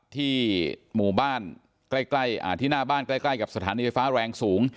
ที่หมู่บ้านใกล้ที่หน้าบ้านใกล้กับสถานีไฟฟ้าแรงสูง